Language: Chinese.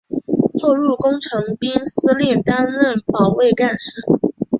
后入工程兵司令部任保卫干事。